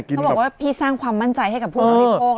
เขาบอกว่าพี่สร้างความมั่นใจให้กับผู้บริโภค